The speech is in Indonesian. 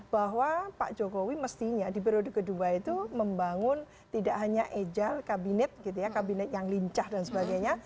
bahwa pak jokowi mestinya di periode kedua itu membangun tidak hanya ejal kabinet gitu ya kabinet yang lincah dan sebagainya